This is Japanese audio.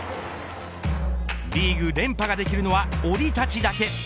リーグ連覇ができるのはオリたちだけ。